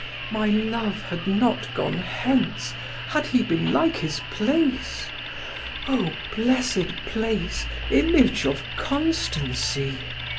my love had not gone hence, Had he been like his place: O blessed place, Image of constancy!